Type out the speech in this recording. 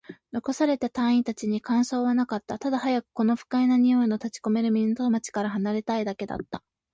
残された隊員達に感想はなかった。ただ、早くこの不快な臭いの立ち込める港町から離れたいだけだった。